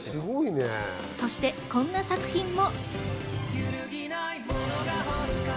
そしてこんな作品も。